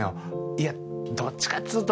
いやどっちかっつうと